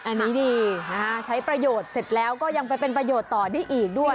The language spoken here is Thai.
อันนี้ดีนะคะใช้ประโยชน์เสร็จแล้วก็ยังไปเป็นประโยชน์ต่อได้อีกด้วย